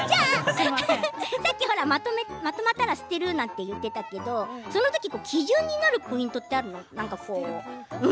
さっきまとまったら捨てるって言っていたけど、その時基準になるポイントってある？